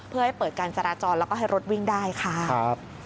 เพื่อให้เปิดการจราจรแล้วก็ให้รถวิ่งได้ค่ะ